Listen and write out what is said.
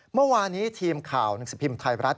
เมื่อวานี้ทีมข่าวหนังสือพิมพ์ไทยรัฐ